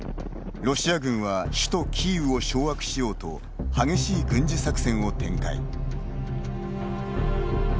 ロシア軍は首都キーウを掌握しようと激しい軍事作戦を展開。